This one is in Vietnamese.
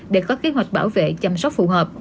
để có kế hoạch bảo vệ chăm sóc phù hợp